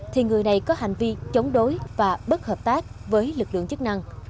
thì người này có hành vi chống đối và bất hợp tác với lực lượng chức năng